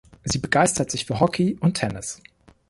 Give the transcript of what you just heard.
Sie begeisterte sich für Hockey und Tennis.